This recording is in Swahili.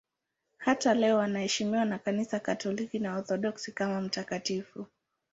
Hata leo anaheshimiwa na Kanisa Katoliki na Waorthodoksi kama mtakatifu.